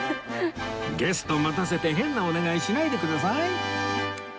ゲスト待たせて変なお願いしないでください